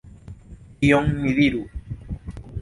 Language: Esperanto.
Kion ni diru?